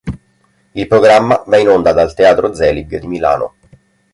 Il programma va in onda dal Teatro Zelig di Milano.